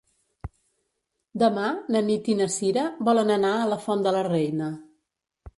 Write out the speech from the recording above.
Demà na Nit i na Cira volen anar a la Font de la Reina.